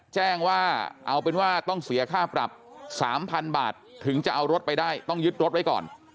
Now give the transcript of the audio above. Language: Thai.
แจ้งว่าเอาเป็นว่าต้องเสียค่าปรับ๓๐๐๐บาทถึงจะเอารถไปได้ต้องยึดรถไว้ก่อน